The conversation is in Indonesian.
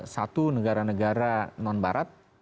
satu negara negara non barat